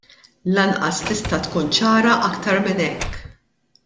Lanqas tista' tkun ċara aktar minn hekk.